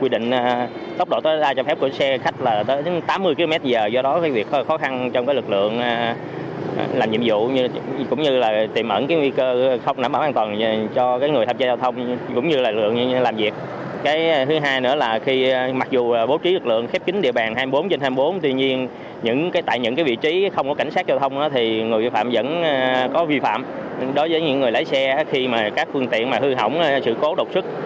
đối với những người lái xe khi các phương tiện hư hỏng sự cố độc sức